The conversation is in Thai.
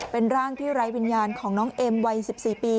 เป็นร่างที่ไร้วิญญาณของน้องเอ็มวัย๑๔ปี